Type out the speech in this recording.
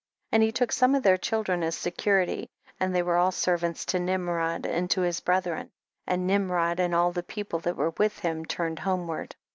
And he look some of their children as security, and they were all servants to Nimrod and to his brethren, and Nimrod and all the people that were with him turned homeward, 39.